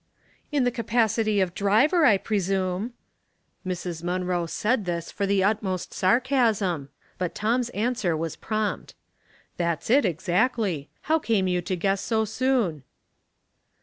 *' In the capacity of driver, I presume." Mrs. Munroe said this for the utmost sarcasm; but Tom's answer was prompt. " That's it, exactly. How came you to guess BO soon?